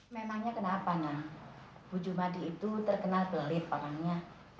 memangnya kenapa bu jumadi itu terkenal pelelit orangnya